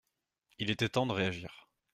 Il était temps de réagir.